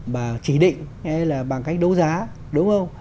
mà chỉ định hay là bằng cách đấu giá đúng không